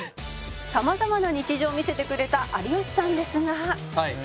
「さまざまな日常を見せてくれた有吉さんですが」